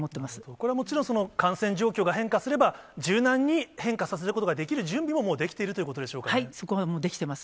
これはもちろん、感染状況が変化すれば柔軟に変化させることができる準備ももうでそこは出来ています。